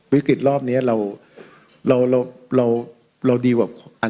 วิกฤตรรอบนี้เราจะ